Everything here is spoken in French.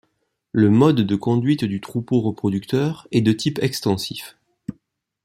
Le mode de conduite du troupeau reproducteur est de type extensif.